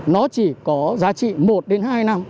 nó chỉ có giá trị một đến hai năm